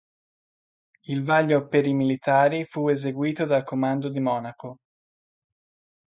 Il vaglio per i militari fu eseguito dal comando di Monaco.